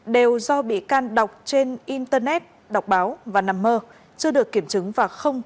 đều do bị can đọc trên internet đọc báo và nằm mơ chưa được kiểm chứng và không có cơ sở chứng minh